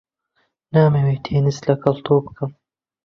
نامەوێت تێنس لەگەڵ تۆ بکەم.